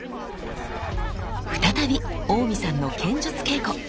再び大見さんの剣術稽古。